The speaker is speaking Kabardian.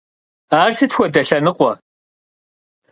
Ar sıt xuede lhenıkhue?